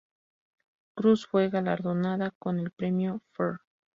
Cruz fue galardonada con el Premio "Fr.